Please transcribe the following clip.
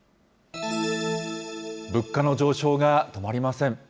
物価の上昇が止まりません。